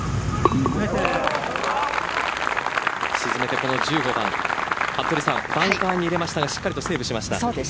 沈めてこの１５番バンカーに入れましたがしっかりとセーブしました。